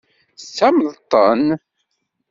Tettamneḍ-ten?